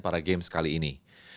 paragames kali ini